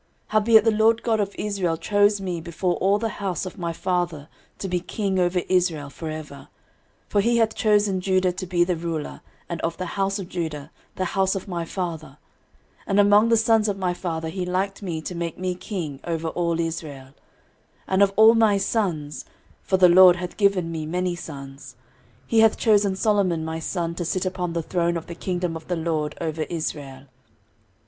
13:028:004 Howbeit the LORD God of Israel chose me before all the house of my father to be king over Israel for ever: for he hath chosen Judah to be the ruler; and of the house of Judah, the house of my father; and among the sons of my father he liked me to make me king over all Israel: 13:028:005 And of all my sons, (for the LORD hath given me many sons,) he hath chosen Solomon my son to sit upon the throne of the kingdom of the LORD over Israel.